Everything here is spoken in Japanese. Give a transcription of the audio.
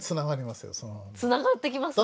つながってきますね。